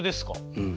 うん。